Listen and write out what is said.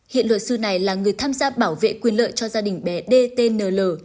hiện luật sư này là người tham gia bảo vệ quyền lợi cho gia đình bé dtnl